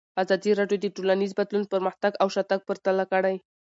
ازادي راډیو د ټولنیز بدلون پرمختګ او شاتګ پرتله کړی.